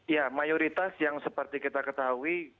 ya mayoritas yang seperti kita ketahui